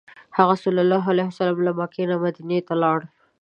هغه ﷺ له مکې مدینې ته لاړ.